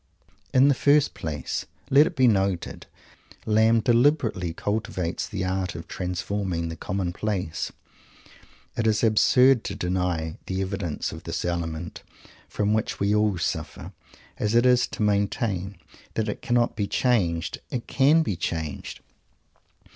In the first place, let it be noted, Lamb deliberately cultivates the art of "transforming the commonplace." It is as absurd to deny the existence of this element from which we all suffer as it is to maintain that it cannot be changed. It can be changed.